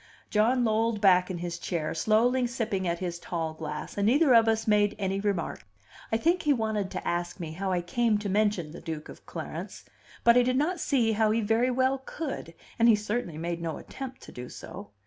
John lolled back in his chair, slowly sipping at his tall glass, and neither of us made any remark. I think he wanted to ask me how I came to mention the Duke of Clarence; but I did not see how he very well could, and he certainly made no attempt to do so.